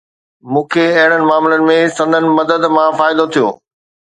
مون کي اهڙن معاملن ۾ سندن مدد مان فائدو ٿيو